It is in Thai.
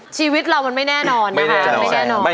ชีวิตเรามันไม่แน่นอนนะฮะ